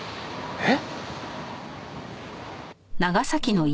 えっ？